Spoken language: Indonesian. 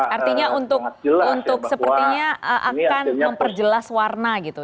artinya untuk sepertinya akan memperjelas warna gitu